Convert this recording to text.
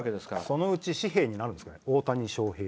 そのうち紙幣になるんですかね。